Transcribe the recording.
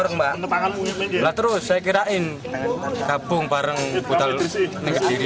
mereka menangkap diri